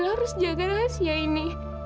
harus jaga rahasia ini